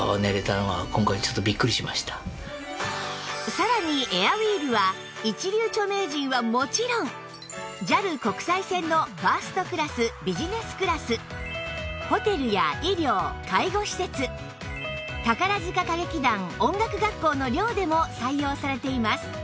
さらにエアウィーヴは一流著名人はもちろん ＪＡＬ 国際線のファーストクラスビジネスクラスホテルや医療・介護施設宝塚歌劇団音楽学校の寮でも採用されています